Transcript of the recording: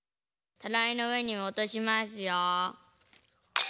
たらいのうえにおとしますよ。